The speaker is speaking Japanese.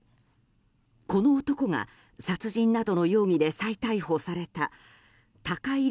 この男が、殺人などの容疑で再逮捕された高井凜